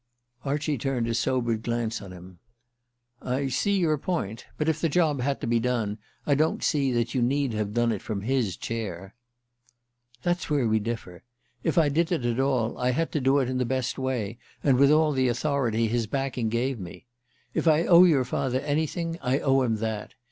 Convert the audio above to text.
Archie turned a sobered glance on him. "I see your point. But if the job had to be done I don't see that you need have done it from his chair." "There's where we differ. If I did it at all I had to do it in the best way, and with all the authority his backing gave me. If I owe your father anything, I owe him that.